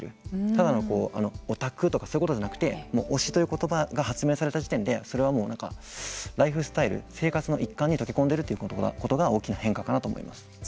ただのオタクとかそういうことじゃなくて推しということばが発明された時点でそれはもうライフスタイル生活の一環に溶け込んでいるということが大きな変化かなと思いました。